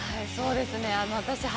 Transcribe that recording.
そうですね私